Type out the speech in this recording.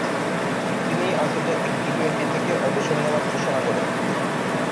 তিনি আন্তর্জাতিক টি-টোয়েন্টি থেকে অবসর নেওয়ার ঘোষণা করেন।